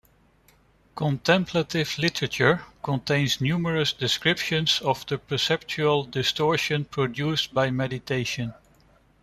Contemplative literature contains numerous descriptions of the perceptual distortion produced by meditation.